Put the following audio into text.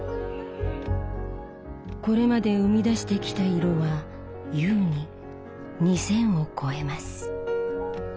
これまで生み出してきた色は優に２，０００を超えます。